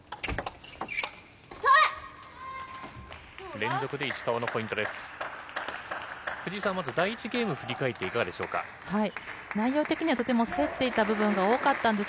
連続で石川のポイントです。